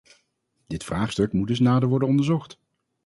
Dit vraagstuk moet dus nader worden onderzocht.